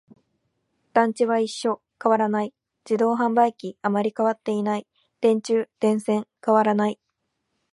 団地は一緒、変わらない。自動販売機、あまり変わっていない。電柱、電線、変わらない。